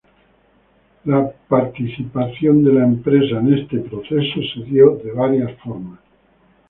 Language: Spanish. La participación de la empresa en este proceso se dio de varias formas.